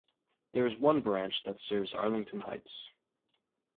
There is one branch that serves Arlington Heights.